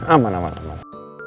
aman aman aman